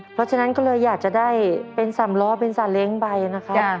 เพราะฉะนั้นก็เลยอยากจะได้เป็นสามล้อเป็นสาเล้งใบนะครับ